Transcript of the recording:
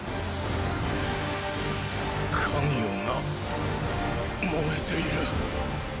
咸陽が燃えている。